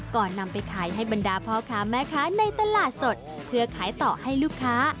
ก่อนนำไปขายให้บรรดาพ่อค้าแม่ค้าในตลาดสดเพื่อขายต่อให้ลูกค้า